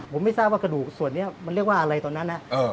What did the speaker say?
ผมไม่ทราบว่ากระดูกส่วนนี้มันเรียกว่าอะไรตอนนั้นนะ